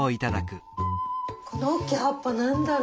この大きい葉っぱ何だろ？